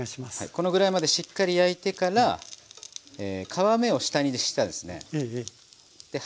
このぐらいまでしっかり焼いてから皮目を下にしたらですね半分ぐらい空けます。